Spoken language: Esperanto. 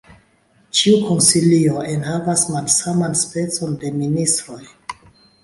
Ĉiu konsilio enhavas malsaman specon de ministroj.